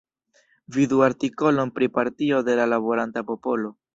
Vidu artikolon pri Partio de la Laboranta Popolo.